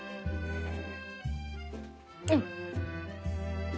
うん。